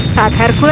saat berita terbaru